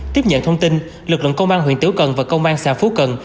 tiếp nhận thông tin lực lượng công an huyện tiểu cần và công an xã phú cần